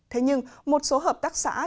thế nhưng một số hợp tác xã chưa đáp ứng